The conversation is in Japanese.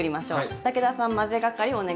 武田さん混ぜ係お願いします。